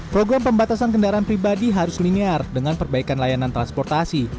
program pembatasan kendaraan pribadi harus linear dengan perbaikan layanan transportasi